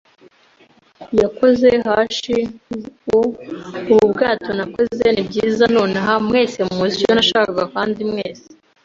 yakoze hash o 'ubu bwato, nakoze? Nibyiza nonaha, mwese muzi icyo nashakaga, kandi mwese